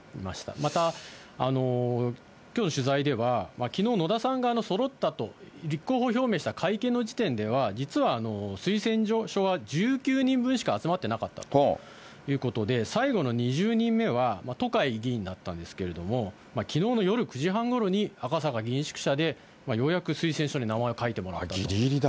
また、きょうの取材では、きのう、野田さん側のそろったと、立候補表明した会見の時点では、実は推薦書は１９人分しか集まっていなかったということで、最後の２０人目はとかい議員だったんですけれども、きのうの夜９時半ごろに赤坂議員宿舎でようやく推薦書に名前を書ぎりぎりだ。